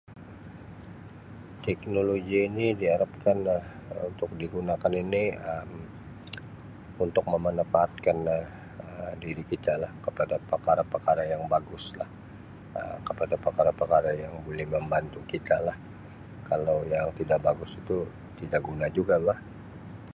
Teknologi ini diharapkan Um untuk digunakan ini Um untuk memanfaatkan Um diri kitalah kepada perkara-perkara yang baguslah Um, kepada perkara-perkara yang boleh membantu kitalah. Kalau yang tidak bagus itu tida guna jugalah.